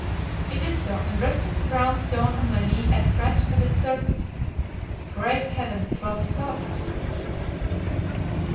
"He did so, and resting the brown stone on my knee I scratched at its surface. Great heavens, it was soft!